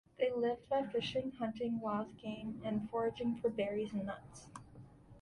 They lived by fishing, hunting wild game and foraging for berries and nuts.